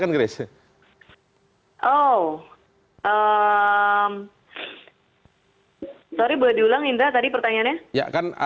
sorry boleh diulang indra tadi pertanyaannya